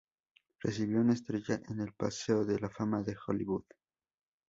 Recibió una estrella en el paseo de la fama de Hollywood.